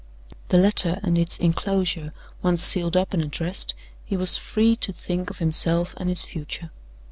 The letter and its inclosure once sealed up and addressed, he was free to think of himself and his future.